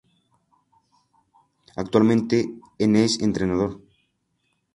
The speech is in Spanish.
Actualmente en es entrenador.